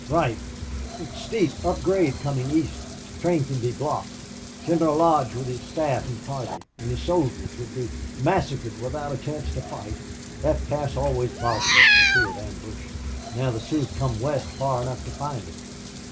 "Right. It's steep up grade coming east. Train can be blocked. General Lodge with his staff and party and his soldiers would be massacred without a chance to fight. That pass always bothered us for fear of ambush. Now the Sioux have come west far enough to find it....